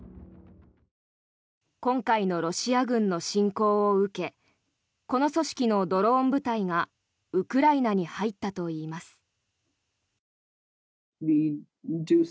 今回のロシア軍の侵攻を受けこの組織のドローン部隊がウクライナに入ったといいます。